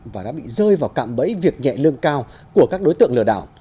và đã bị rơi vào cạm bẫy việc nhẹ lương cao của các đối tượng lừa đảo